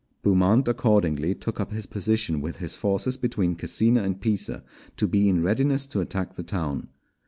Beaumont accordingly took up his position with his forces between Cascina and Pisa, to be in readiness to attack the town.